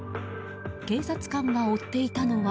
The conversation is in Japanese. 警察官が追っていたのは。